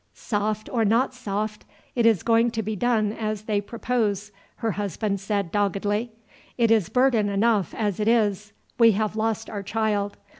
"Soft or not soft, it is going to be done as they propose," her husband said doggedly. "It is burden enough as it is we have lost our child.